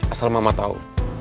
asal mama tau